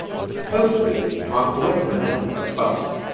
Oak Street marks the western end of Bus.